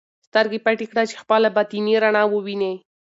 سترګې پټې کړه چې خپله باطني رڼا ووینې.